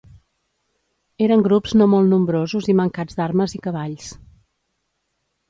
Eren grups no molt nombrosos i mancats d'armes i cavalls.